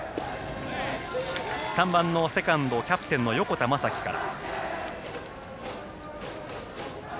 ３番のセカンドキャプテンの横田優生から。